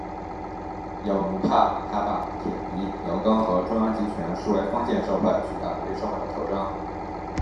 有奴派还把铁犁牛耕和中央集权视为封建社会取代奴隶社会的特征。